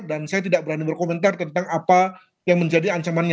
dan saya tidak berani berkomentar tentang apa yang menjadi ancamannya